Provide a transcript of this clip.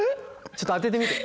ちょっと当ててみて。